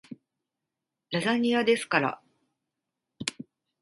ラザニアですから